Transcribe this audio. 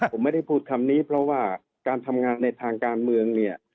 ผมไม่ได้พูดคำนี้เพราะว่าการทำงานในทางการเมืองเนี่ย